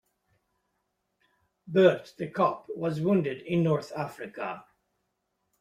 Bert the cop was wounded in North Africa.